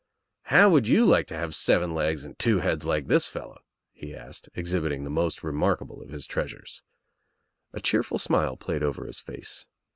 "How would you lilce to have seven legs and two heads like this fellow?" he asked, exhibiting the most remarkable of his treasures, A cheerful smile played over his face.